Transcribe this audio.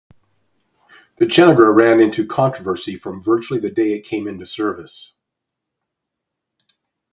The "Chenega" ran into controversy from virtually the day it came into service.